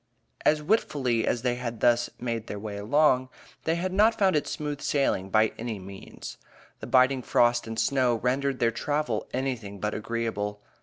As willfully as they had thus made their way along, they had not found it smooth sailing by any means. The biting frost and snow rendered their travel anything but agreeable.